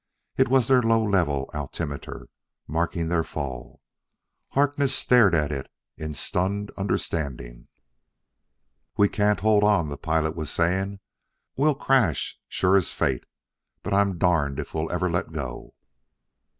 It was their low level altimeter, marking their fall. Harkness stared at it in stunned understanding. "We can't hold on," the pilot was saying; "We'll crash sure as fate. But I'm darned if we'll ever let go!"